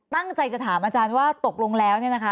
ตั้งใจจะถามอาจารย์ว่าตกลงแล้วเนี่ยนะคะ